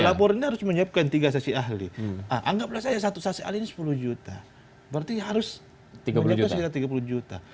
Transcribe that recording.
pelapornya harus menyiapkan tiga saksi ahli anggaplah saja satu saksi ahli ini sepuluh juta berarti harus menyiapkan tiga puluh juta